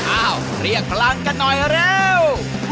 อ้าวเรียกพลังกันหน่อยเร็ว